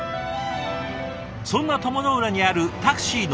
そんな鞆の浦にあるタクシーの営業所。